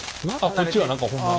こっちは何かホンマに。